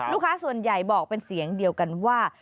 ส่วนใหญ่บอกเป็นเสียงเดียวกันว่า